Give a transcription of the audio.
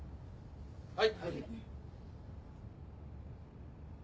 はい。